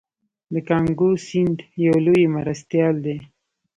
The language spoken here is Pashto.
د کانګو سیند یو لوی مرستیال دی.